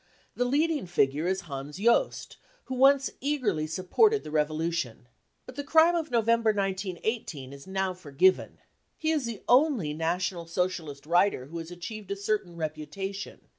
The leading figure is Hans Johst, who once eagerly supported the revolution. But tha crime of November 1918 is now forgiven. He is the only National Socialist writer who has achieved a certain reputation.